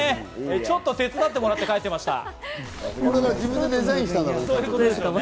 ちょっと手伝ってもらって、帰ってました。